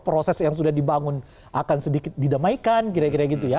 proses yang sudah dibangun akan sedikit didamaikan kira kira gitu ya